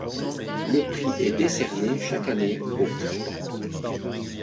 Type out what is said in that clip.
Le prix est décerné chaque année au printemps.